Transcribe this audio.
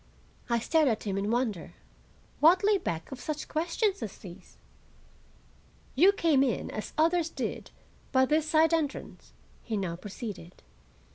I stared at him in wonder. What lay back of such questions as these? "You came in, as others did, by this side entrance," he now proceeded.